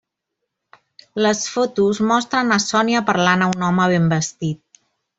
Les fotos mostren a Sònia parlant a un home ben vestit.